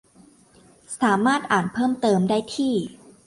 สามารถอ่านเพิ่มเติมได้ที่